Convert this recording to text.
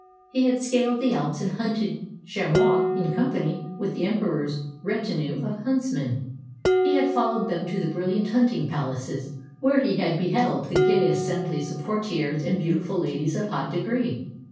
He had scaled the Alps and hunted chamois in company with the Emperor's retinue of huntsmen. He had followed them to the brilliant hunting palaces, where he had beheld the gay as semblies of courtiers and beautiful ladies of high degree.